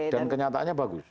dan kenyataannya bagus